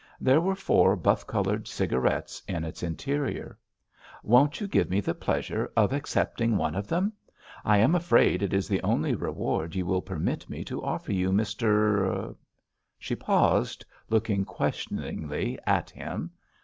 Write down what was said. There were four buff coloured cigarettes in its interior. "Won't you give me the pleasure of accepting one of them? I am afraid it is the only reward you will permit me to offer you, Mr.——" She paused, looking questioningly at him.